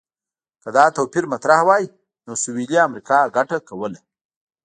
که دا توپیر مطرح وای، نو سویلي امریکا ګټه کوله.